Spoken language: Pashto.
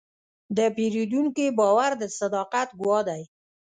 د پیرودونکي باور د صداقت ګواه دی.